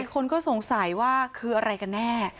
คนก็สงสัยว่าคืออะไรกันแน่